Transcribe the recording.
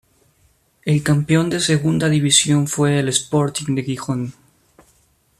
El campeón de Segunda División fue el Sporting de Gijón.